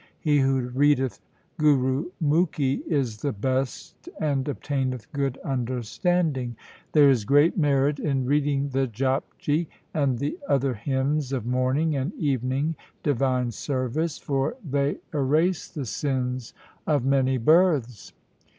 He who readeth Gurumukhi is the best and obtaineth good understanding. There is great merit in reading the Japji and the other hymns of morning and evening divine service, for they LIFE OF GURU GOBIND SINGH 113 erase the sins of many births.